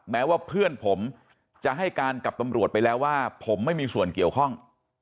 แม้ว่าเพื่อนผมจะให้การกับตำรวจไปแล้วว่าผมไม่มีส่วนเกี่ยวข้อง